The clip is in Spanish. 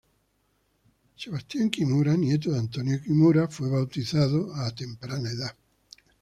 Sebastián Kimura, nieto de Antonio Kimura, fue bautizado a temprana edad.